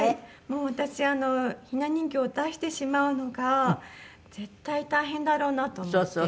もう私ひな人形出してしまうのが絶対大変だろうなと思って。